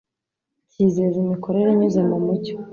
cyizeza imikorere inyuze mu mucyo